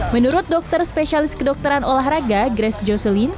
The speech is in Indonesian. menurut dokter spesialis kedokteran olahraga grace jocelin